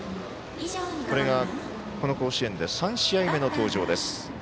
これが、この甲子園で３試合目の登場です。